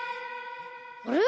あれ？